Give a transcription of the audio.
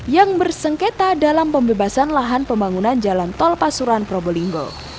yang bersengketa dalam pembebasan lahan pembangunan jalan tol pasuran probolinggo